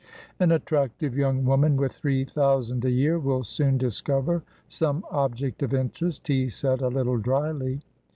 "An attractive young woman with three thousand a year will soon discover some object of interest," he said, a little dryly.